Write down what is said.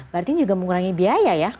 berarti juga mengurangi biaya ya